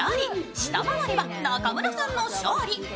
下回れば中村さんの勝利。